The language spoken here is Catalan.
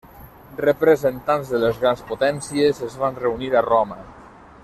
Representants de les grans potències es van reunir a Roma.